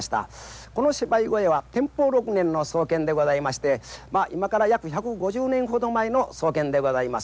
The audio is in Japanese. この芝居小屋は天保６年の創建でございまして今から約１５０年ほど前の創建でございます。